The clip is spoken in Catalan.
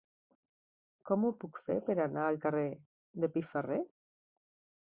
Com ho puc fer per anar al carrer de Piferrer?